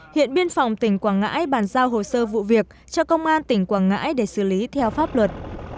hiện biên phòng tỉnh quảng ngãi bàn giao hồ sơ vụ việc cho công an tỉnh quảng ngãi để xử lý theo pháp luật